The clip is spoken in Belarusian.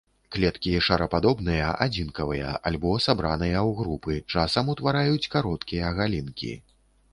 Клеткі шарападобныя, адзінкавыя альбо сабраныя ў групы, часам ўтвараюць кароткія галінкі.